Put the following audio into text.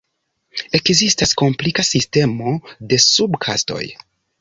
Ekzistas komplika sistemo de sub-kastoj.